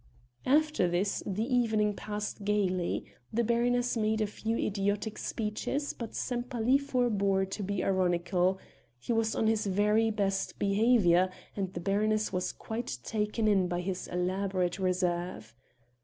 After this the evening passed gaily; the baroness made a few idiotic speeches but Sempaly forbore to be ironical; he was on his very best behavior, and the baroness was quite taken in by his elaborate reserve.